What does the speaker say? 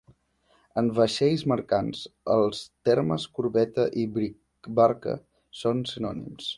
En vaixells mercants els termes corbeta i bricbarca són sinònims.